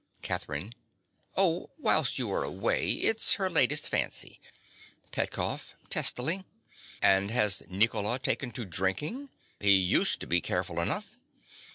CATHERINE. Oh, whilst you were away. It is her latest fancy. PETKOFF. (testily). And has Nicola taken to drinking? He used to be careful enough.